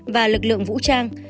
và lực lượng vũ trang